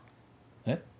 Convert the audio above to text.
えっ？